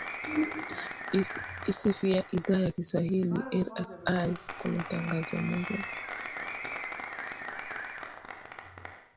isifia idhaa ya kiswahili rfi kwa matangazo murwa